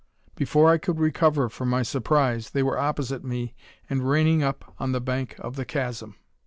Before I could recover from my surprise, they were opposite me and reining up on the bank of the chasm.